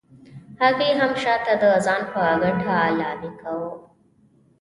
هغې هم شاته د ځان په ګټه لابي کاوه.